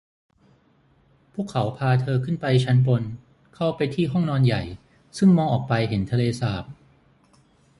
พวกเขาพาเธอขึ้นไปชั้นบนเข้าไปที่ห้องนอนใหญ่ซึ่งมองออกไปเห็นทะเลสาบ